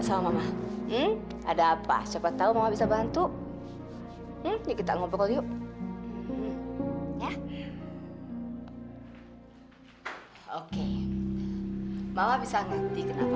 sampai jumpa di video selanjutnya